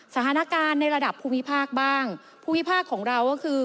สถานการณ์ในระดับภูมิภาคบ้างภูมิภาคของเราก็คือ